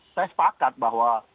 saya sepakat bahwa